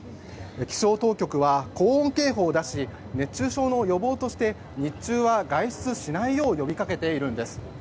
気象当局は高温警報を出し熱中症の予防として日中は外出しないよう呼びかけているんです。